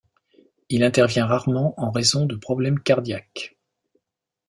Il intervient rarement en raison de problèmes cardiaques.